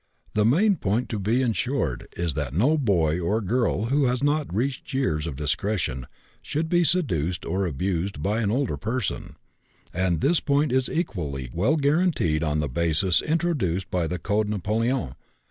The main point to be insured is that no boy or girl who has not reached years of discretion should be seduced or abused by an older person, and this point is equally well guaranteed on the basis introduced by the Code Napoléon.